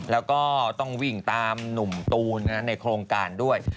แล้วก็ต้องวิ่งตามหนุ่มตูนในโครงการด้วย